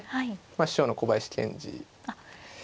師匠の小林健二で。